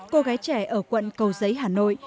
cô gái trẻ ở quận cầu giấy hà nội